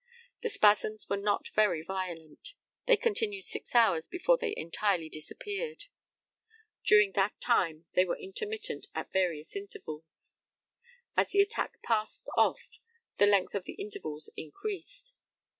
The spasms were not very violent. They continued six hours before they entirely disappeared. During that time they were intermittent at various intervals. As the attack passed off the length of the intervals increased.